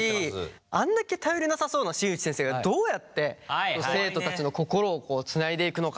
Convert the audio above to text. あんだけ頼りなさそうな新内先生がどうやって生徒たちの心をこうつないでいくのかっていう。